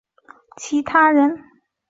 治疗我自己和其他人